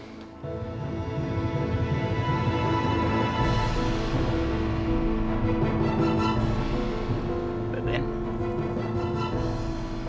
gue udah tau ya